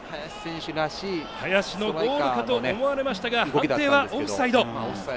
林のゴールかと思われましたが判定はオフサイド。